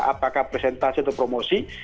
apakah presentasi atau promosi